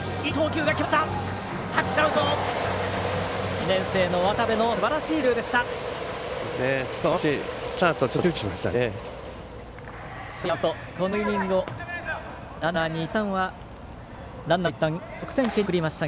２年生の渡部のすばらしい送球でした。